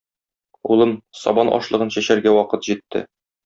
Улым, сабан ашлыгын чәчәргә вакыт җитте.